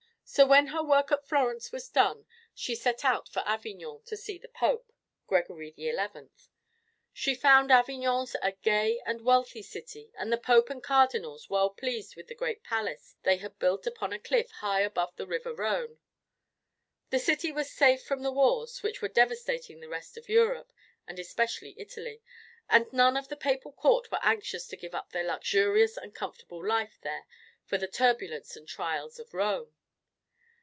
So, when her work at Florence was done, she set out for Avignon, to see the Pope, Gregory XI. She found Avignon a gay and wealthy city, and the Pope and cardinals well pleased with the great palace they had built upon a cliff high above the river Rhone. The city was safe from the wars which were devastating the rest of Europe and especially Italy, and none of the papal court were anxious to give up their luxurious and comfortable life there for the turbulence and trials of Rome.